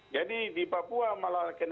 jadi di papua malah